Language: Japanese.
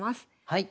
はい。